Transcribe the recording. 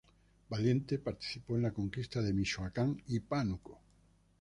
Valiente participó en la conquista de Michoacán y Pánuco.